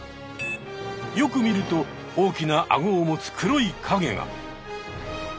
よく見ると大きなアゴを持つ黒い影が！